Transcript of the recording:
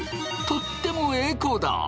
とってもエコだ。